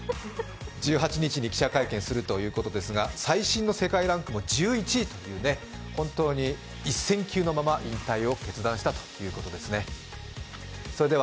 １８日に記者会見するということですが、最新の世界ランクも１１位という、本当に一線級のまま引退を決断したということですね。